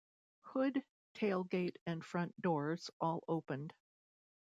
Hood, tailgate, and front doors all opened.